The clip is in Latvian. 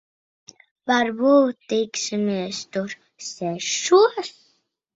Varbūt tiksimies tur sešos?